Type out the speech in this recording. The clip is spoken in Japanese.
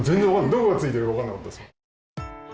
どこがついているか分からなかったです。